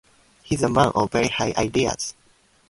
He's a man of very high ideals.